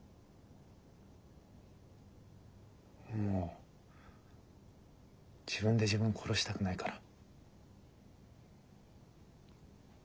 もう自分で自分を殺したくないから。